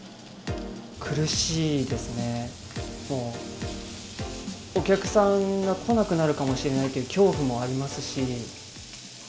苦しいですね、もう、お客さんが来なくなるかもしれないという恐怖もありますし。